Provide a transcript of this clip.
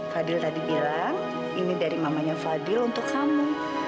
fadil tadi bilang ini dari mamanya fadil untuk kamu